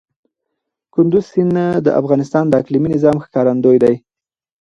کندز سیند د افغانستان د اقلیمي نظام ښکارندوی دی.